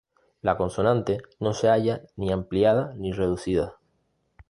La consonante no se halla ni ampliada ni reducida.